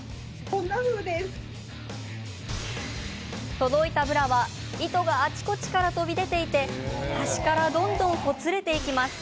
届いたブラは糸があちこちから飛び出ていて端からどんどんほつれていきます。